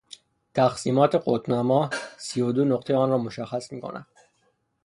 تقسیمات قطبنما، سی و دو نقطهی آن را مشخص میکند.